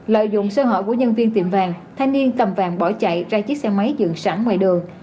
lợi dụng sơ hở của nhân viên tiệm vàng thanh niên cầm vàng bỏ chạy ra chiếc xe máy dựng sẵn ngoài đường